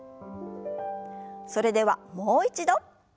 それではもう一度。